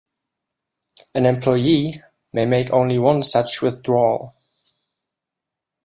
An employee may make only one such withdrawal.